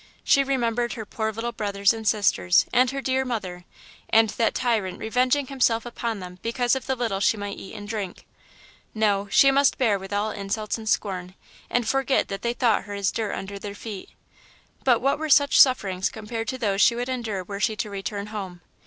She remembered her poor little brothers and sisters and her dear mother, and that tyrant revenging himself upon them because of the little she might eat and drink. No, she must bear with all insults and scorn, and forget that they thought her as dirt under their feet. But what were such sufferings compared to those she would endure were she to return home?